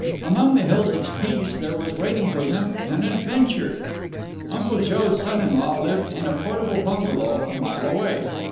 Among the hills of peace there was waiting for them an adventure. Uncle Joe's son in law lived in a portable bungalow a mile away.